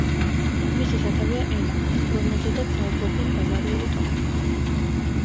მისი სათავეა ენა, რომელზედაც საუბრობდნენ ბავარიელი ტომები.